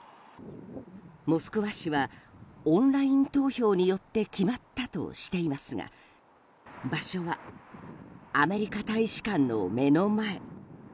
モスクワ市はオンライン投票によって決まったとしていますが場所はアメリカ大使館の目の前。